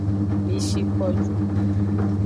Mi shi ko ju.